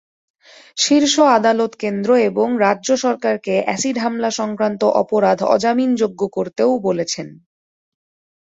শীর্ষ আদালত কেন্দ্র এবং রাজ্য সরকারকে অ্যাসিড হামলাসংক্রান্ত অপরাধ অজামিনযোগ্য করতেও বলেছেন।